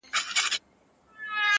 تا په درد كاتــــه اشــــنــــا ـ